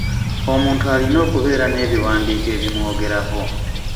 Omuntu alina okubeera n'ebiwandiiko ebimwogerako.